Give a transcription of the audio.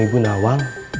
aku mau menemui bu nawang